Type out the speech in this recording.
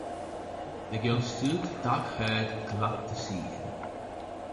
The girl stood, dark-haired, glad to see him.